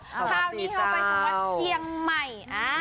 ครั้งนี้เราไปวัดเจียงใหม่